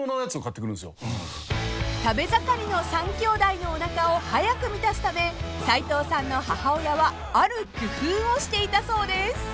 ［食べ盛りの３兄弟のおなかを早く満たすため斉藤さんの母親はある工夫をしていたそうです］